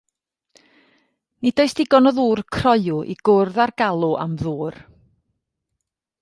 Nid oes digon o ddŵr croyw i gwrdd â'r galw am ddŵr.